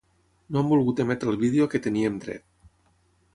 No han volgut emetre el vídeo a què teníem dret.